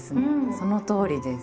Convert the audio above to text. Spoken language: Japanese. そのとおりです。